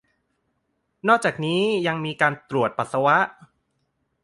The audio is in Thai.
นอกจากนี้ยังมีการตรวจปัสสาวะ